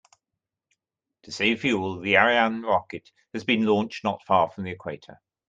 To save fuel, the Ariane rocket has been launched not far from the equator.